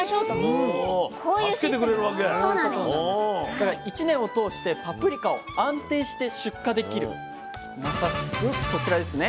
だから１年を通してパプリカを安定して出荷できるまさしくこちらですね。